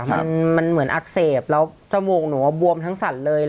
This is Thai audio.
มันเหมือนอักเสบแล้วจมูกหนูบวมทั้งสั่นเลย